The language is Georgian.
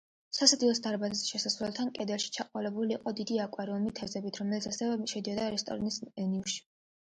სასადილოს დარბაზის შესასვლელთან კედელში ჩაყოლებული იყო დიდი აკვარიუმი თევზებით, რომელიც ასევე შედიოდა რესტორნის მენიუში.